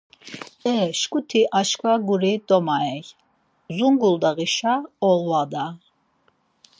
E şǩuti aşǩva guri domaey Zunguldağişa olva da!